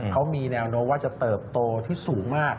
เขามีแนวโน้มว่าจะเติบโตที่สูงมาก